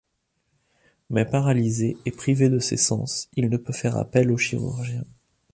Mais paralysé et privé de ses sens, il ne peut faire appel au chirurgien.